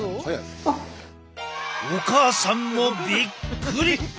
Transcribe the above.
お母さんもびっくり！